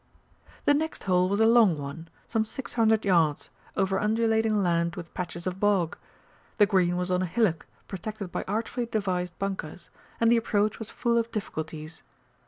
The next hole was a long one, some six hundred yards, over undulating land with patches of bog; the green was on a hillock protected by artfully devised bunkers, and the approach was full of difficulties.